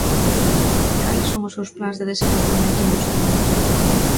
¿Cales son os seus plans de desenvolvemento industrial?